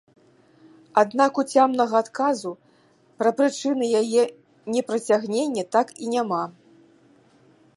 Аднак уцямнага адказу пра прычыны яе непрацягнення так і няма.